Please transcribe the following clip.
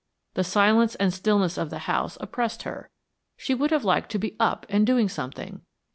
The silence and stillness of the house oppressed her; she would have liked to be up and doing something.